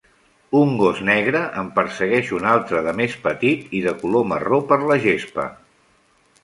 Un gos negre en persegueix un altre de més petit i de color marró per la gespa.